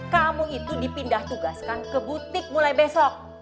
kamu itu dipindah tugaskan ke butik mulai besok